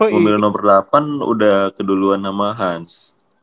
mau milih nomor delapan udah keduluan sama hans